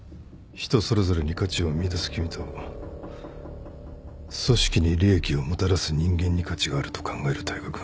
人それぞれに価値を見いだす君と組織に利益をもたらす人間に価値があると考える大海君。